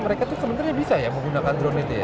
mereka itu sebenarnya bisa ya menggunakan drone itu ya